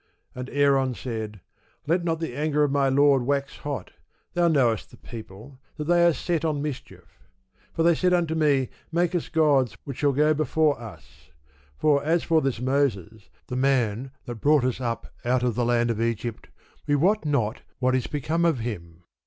And Aaron said, Let not the anger of my lord wax hot; thou knowest the people, that they are set on mischief. For they said unto me, Make us gods, which shall go before us: for as for this Moses, the man that brought us up out of the land of Egypt, we wot not what is become of him.